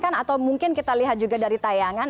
atau mungkin kita lihat juga dari tayangan